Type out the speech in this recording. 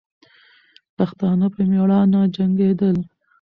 پښتانه په میړانه جنګېدل.